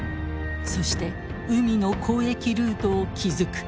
そして海の交易ルートを築く。